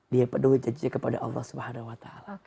dia menuhi janjinya kepada allah swt